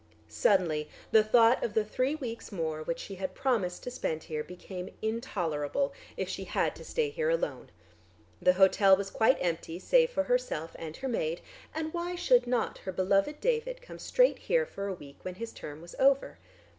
Suddenly the thought of the three weeks more which she had promised to spend here became intolerable, if she had to stay here alone. The hotel was quite empty, save for herself and her maid, and why should not her beloved David come straight here for a week when his term was over?